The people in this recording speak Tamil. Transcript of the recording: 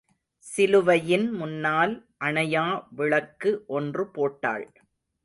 சிலுவையின் முன்னால் அணையா விளக்கு ஒன்று போட்டாள்.